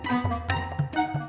aku mau balik real talk